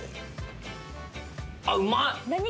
あっうまい！